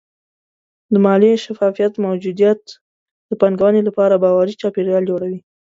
د مالي شفافیت موجودیت د پانګونې لپاره باوري چاپېریال جوړوي.